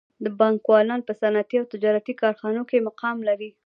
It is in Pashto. بانکوالان په صنعتي او تجارتي کارخانو کې مقام لري